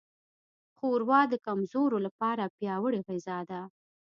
ښوروا د کمزورو لپاره پیاوړې غذا ده.